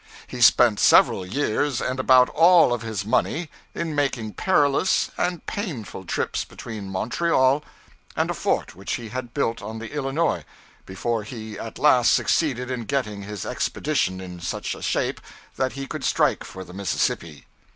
He spent several years and about all of his money, in making perilous and painful trips between Montreal and a fort which he had built on the Illinois, before he at last succeeded in getting his expedition in such a shape that he could strike for the Mississippi.